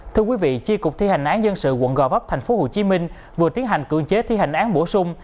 thưa quý vị chi cục thi hành án dân sự quận gò vấp tp hcm vừa tiến hành cưỡng chế thi hành án bổ sung